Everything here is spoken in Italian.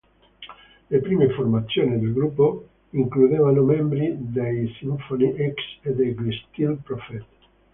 Le prime formazioni del gruppo includevano membri dei Symphony X e degli Steel Prophet.